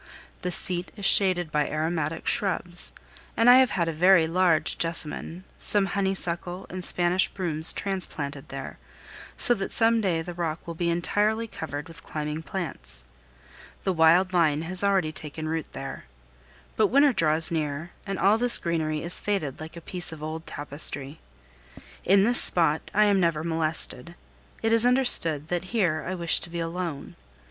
The seat is shaded by aromatic shrubs, and I have had a very large jessamine, some honeysuckle, and Spanish brooms transplanted there, so that some day the rock will be entirely covered with climbing plants. The wild vine has already taken root there. But winter draws near, and all this greenery is faded like a piece of old tapestry. In this spot I am never molested; it is understood that here I wish to be alone.